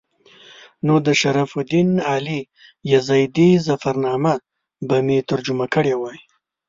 نو د شرف الدین علي یزدي ظفرنامه به مې ترجمه کړې وای.